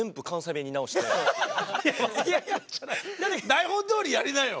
台本どおりやりなよ！